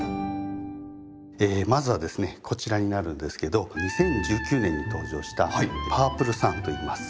まずはですねこちらになるんですけど２０１９年に登場した‘パープルサン’。